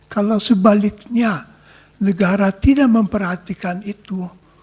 kalau sebaliknya negara tidak memperhatikan itu